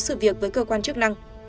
sự việc với cơ quan chức năng